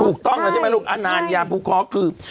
ถูกต้องนะใช่ไหมลูกอานานโยภูเคาะคือ